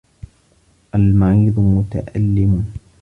الْمَرِيضُ مُتَأَلِّمٌ.